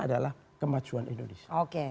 adalah kemajuan indonesia